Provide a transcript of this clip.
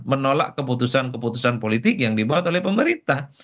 menolak keputusan keputusan politik yang dibuat oleh pemerintah